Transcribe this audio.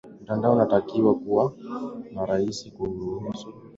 mtandao unatakiwa kuwa na kasi kuruhusu kuunda redio ya mtandao